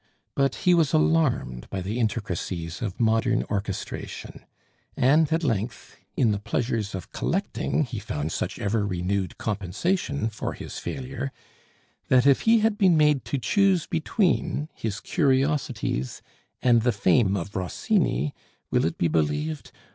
But he was alarmed by the intricacies of modern orchestration; and at length, in the pleasures of collecting, he found such ever renewed compensation for his failure, that if he had been made to choose between his curiosities and the fame of Rossini will it be believed?